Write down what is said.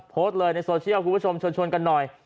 โพสต์เลยในโซเชียลคุณผู้ชมชวนกันหน่อย